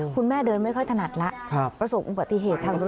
คุณแม่เดินไม่ค่อยถนัดแล้วประสบอุบัติเหตุทางรถ